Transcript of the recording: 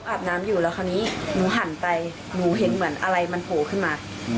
อาบน้ำอยู่แล้วคราวนี้หนูหันไปหนูเห็นเหมือนอะไรมันโผล่ขึ้นมา